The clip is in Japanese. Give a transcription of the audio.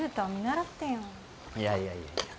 いやいやいやいや。